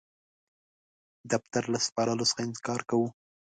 دفتر له سپارلو څخه انکار کاوه.